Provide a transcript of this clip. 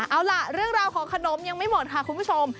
เอาล่ะเรื่องราวของขนมยังไม่หมดค่ะคุณผู้ชม